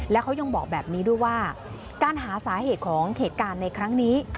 แล้วเขายังบอกแบบนี้ด้วยว่าการหาสาเหตุของเหตุการณ์ในครั้งนี้